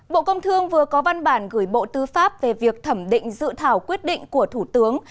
bộ công thương vừa có văn bản gửi bộ tư pháp về việc thẩm định dự thảo quyết định của thủ tướng